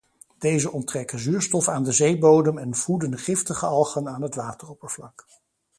Deze onttrekken zuurstof aan de zeebodem en voeden giftige algen aan het wateroppervlak.